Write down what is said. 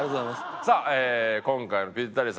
さあ今回のピッタリさん